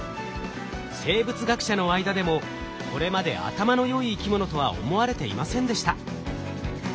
生物学者の間でもこれまで頭の良い生き物とは思われていませんでした。